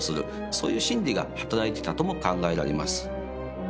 そういう心理が働いてたとも考えられます。